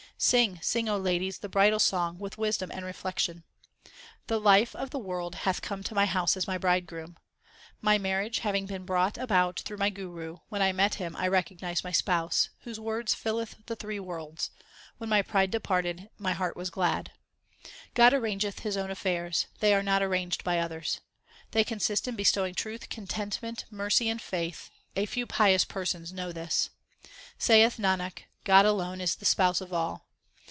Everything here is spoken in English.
Sing, sing, O ladies, the bridal song with wisdom and reflection. The Life of the world hath come to my house as my Bridegroom. My marriage having been brought about through my Guru, when I met him I recognized my Spouse Whose Word filleth the three worlds ; when my pride departed my heart was glad. God arrangeth His own affairs ; they are not arranged by others : They consist in bestowing truth, contentment, mercy, and faith a few pious persons know this. Saith Nanak, God alone is the Spouse of all.